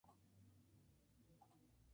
Obtiene ventas sin precedentes en Venezuela.